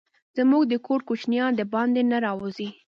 زموږ د کور کوچينان دباندي نه راوزي.